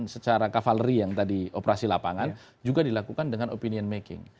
secara kavaleri yang tadi operasi lapangan juga dilakukan dengan opinion making